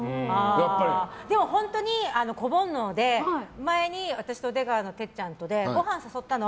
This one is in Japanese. でも本当に子煩悩で前に私と出川のてっちゃんとでごはん誘ったの。